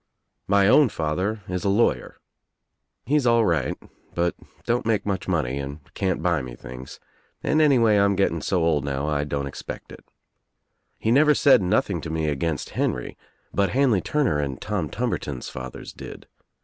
My own father is a lawyer. He's all right, but don't make much money and can't buy me things and anyway I'm getting so old now I don't expect it. He never said nothing to me against Henry, but Hanley Turner and Tom Tumberton's fathers did.